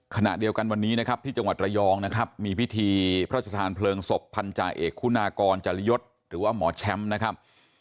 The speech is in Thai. หน้าเดียวกันวันนี้ที่จังหวัดระยองมีพิธีพระชาธารเพลิงศพพันธาเอกคุณากรจริยศหรือว่าหมอแชมป์